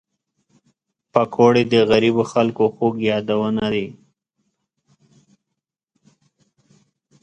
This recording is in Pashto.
پکورې د غریبو خلک خوږ یادونه ده